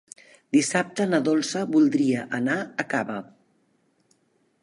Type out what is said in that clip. Dissabte na Dolça voldria anar a Cava.